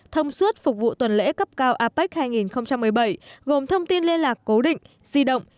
thông suốt phục vụ tuần lễ cấp cao apec hai nghìn một mươi bảy gồm thông tin liên lạc cố định di động